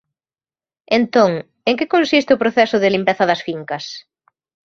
Entón, en que consiste o proceso de limpeza das fincas?